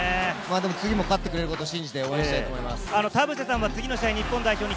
次も勝ってくれることを信じて応援したいと思います。